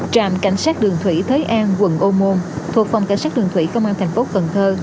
trạm cảnh sát đường thủy thới an quận ô môn thuộc phòng cảnh sát đường thủy công an thành phố cần thơ